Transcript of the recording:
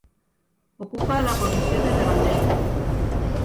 Ocupa la posició de davanter.